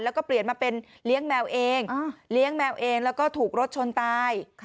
แล้วก็เปลี่ยนมาเป็นเลี้ยงแมวเองเลี้ยงแมวเองแล้วก็ถูกรถชนตาย